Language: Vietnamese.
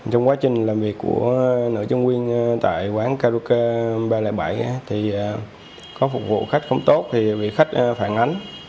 trong quá trình làm việc của nữ chung quyền tại quán karaoke ba trăm linh bảy có phục vụ khách không tốt thì khách phản ánh